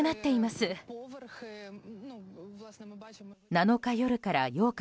７日夜から８日